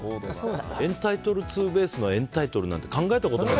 エンタイトルツーベースのエンタイトルなんて考えたこともない。